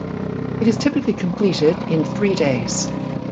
It is typically completed in three days.